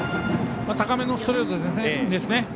高めのストレートですね。